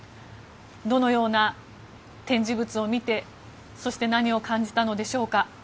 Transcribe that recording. どのような展示物を見てそして何を感じたのでしょうか。